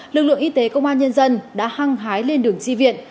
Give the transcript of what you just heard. lực lượng y tế công an nhân dân đã hăng hái lên đường chi viện